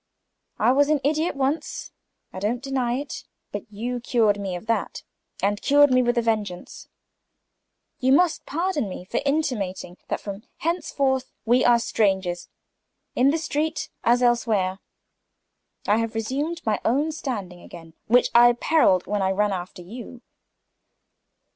I was an idiot once, I don't deny it; but you cured me of that, and cured me with a vengeance. You must pardon me for intimating that from henceforth we are strangers; in the street as elsewhere. I have resumed my own standing again, which I periled when I ran after you."